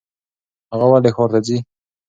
هغه ولې ښار ته ځي ؟